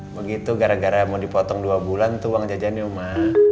begitu gara gara mau dipotong dua bulan tuh uang jajan di rumah